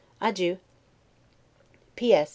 Adieu! P. S.